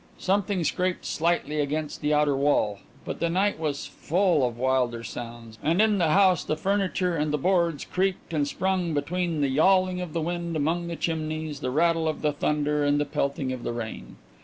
Something scraped slightly against the outer wall. But the night was full of wilder sounds, and in the house the furniture and the boards creaked and sprung between the yawling of the wind among the chimneys, the rattle of the thunder and the pelting of the rain.